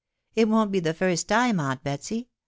.... It won't be the first time, aunt Betsy.